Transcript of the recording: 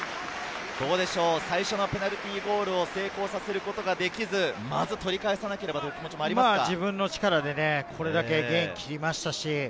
最初のペナルティーゴールを成功させることができず、まず取り返さなければという気持ちもありますか？